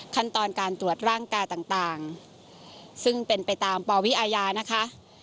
ขั้นตอนการตรวจร่างกายต่างซึ่งเป็นไปตามปวิอาญานะคะ